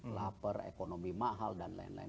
lapar ekonomi mahal dan lain lain